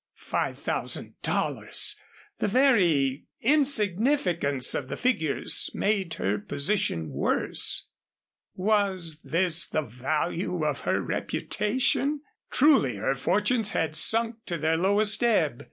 Five thousand dollars! The very insignificance of the figures made her position worse. Was this the value of her reputation? Truly her fortunes had sunk to their lowest ebb.